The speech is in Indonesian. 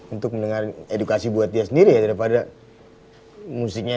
untuk mendengar edukasi buat dia sendiri ya daripada musiknya